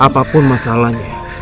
apa pun masalahnya